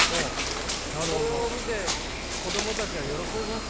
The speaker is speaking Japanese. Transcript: それを見て子どもたちは喜びますか？